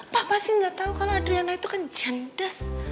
papa sih nggak tahu kalau adriana itu kan jendes